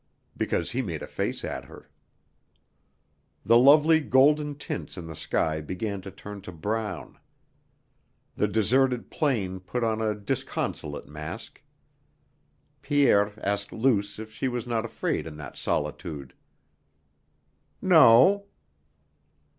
(Because he made a face at her.) The lovely golden tints in the sky began to turn to brown. The deserted plain put on a disconsolate mask. Pierre asked Luce if she was not afraid in that solitude. "No."